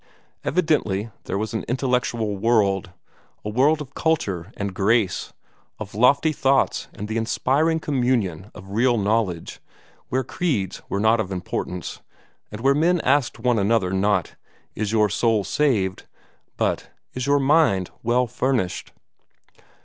Evidently there was an intellectual world, a world of culture and grace, of lofty thoughts and the inspiring communion of real knowledge, where creeds were not of importance, and where men asked one another, not "Is your soul saved?" but "Is your mind well furnished?"